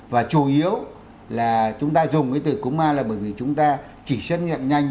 và chủ yếu là chúng ta dùng cái từ cúm a là bởi vì chúng ta chỉ xét nghiệm nhanh